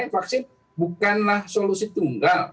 vaksin bukanlah solusi tunggal